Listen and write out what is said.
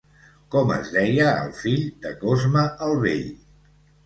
Com es deia el fill de Cosme el Vell?